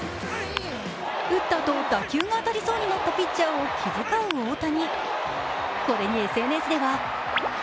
打ったあと、打球が当たりそうになったピッチャーを気遣う大谷。